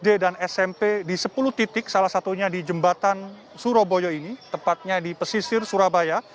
di salah satu titik dari sepuluh titik salah satunya di jembatan surabaya ini tepatnya di pesisir surabaya